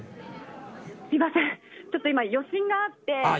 すいませんちょっと今、余震があって。